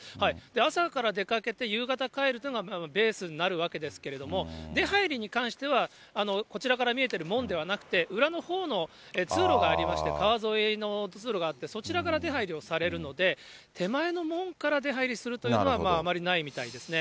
朝から出かけて夕方、帰るというのがベースになるわけですけれども、出はいりに関してはこちらから見えてる門ではなくて、裏のほうの通路がありまして、川沿いの通路があって、そちらから出はいりをされるので、手前の門から出はいりするというのは、あまりないみたいですね。